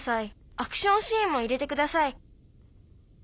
「アクションシーンも入れてください」。